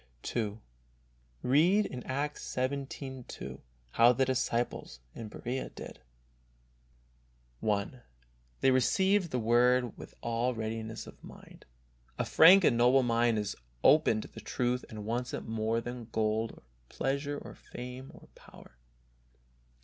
II. Read in Acts xvii, 77, how the disciples in Berea did, 1. " They received the Word with all readiness of mind." A frank and noble mind is open to the truth, and wants it more than gold or pleasure or fame or power.